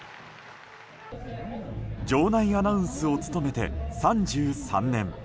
場内アナウンスを務めて３３年。